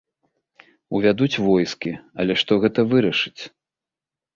Увядуць войскі, але што гэта вырашыць?